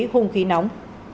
khung khí nóng